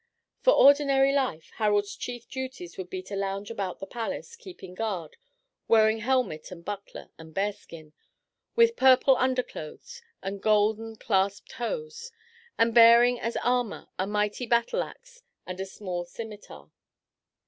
For ordinary life, Harald's chief duties would be to lounge about the palace, keeping guard, wearing helmet and buckler and bearskin, with purple underclothes and golden clasped hose; and bearing as armor a mighty battle axe and a small scimitar.